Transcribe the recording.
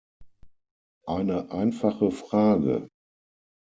Eine einfache Frage.